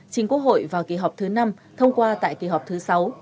chính quốc hội vào kỳ họp thứ năm thông qua tại kỳ họp thứ sáu